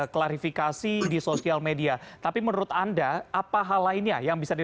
klarifikasi di sosial media tapi menurut anda apa hal lainnya yang bisa dilakukan kembali di dalam kompetisi ini